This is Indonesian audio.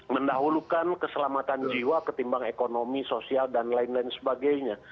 mendahulukan keselamatan jiwa ketimbang ekonomi sosial dan lain lain sebagainya